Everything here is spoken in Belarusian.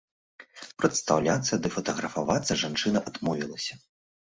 Прадстаўляцца ды фатаграфавацца жанчына адмовілася.